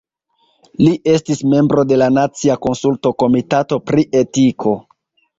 Li estis membro de la Nacia Konsulta Komitato pri Etiko.